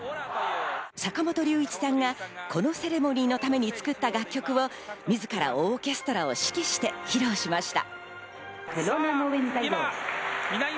坂本龍一さんがこのセレモニーのために作った楽曲を自らオーケストラを指揮して披露しました。